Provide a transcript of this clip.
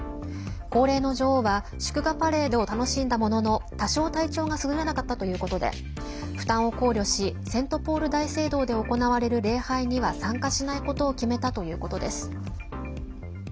高齢の女王は祝賀パレードを楽しんだものの多少、体調がすぐれなかったということで負担を考慮しセントポール大聖堂で行われる礼拝には参加しないことを決めたということです。